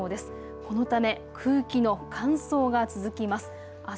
このため空気の乾燥が続きます。